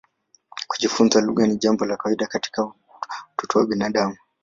Kujifunza lugha ni jambo la kawaida katika utoto wa binadamu.